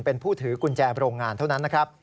เป็นผู้ถือกุญแจโรงงานเท่านั้นนะครับ